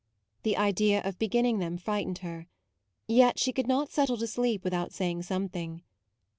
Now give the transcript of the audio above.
The idea of beginning them frightened her ; yet she . could not settle to sleep without saying some thing.